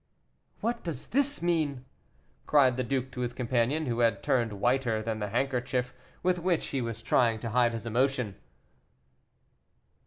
"What does this mean?" cried the duke to his companion, who had turned whiter than the handkerchief with which he was trying to hide his emotion.